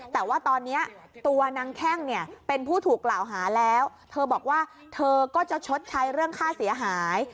แต่ว่าตอนนี้ตัวนางแข้งเนี่ยเป็นผู้ถูกกล่าวหาแล้วเธอบอกว่าเธอก็จะชดใช้เรื่องค่าเสียหาย